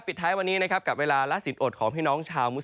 ปิดทายวันนี้กับเวลาราศีนอดของพี่น้องชาวมุสลิม